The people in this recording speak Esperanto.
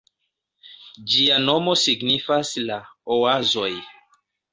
Ĝia nomo signifas "la oazoj".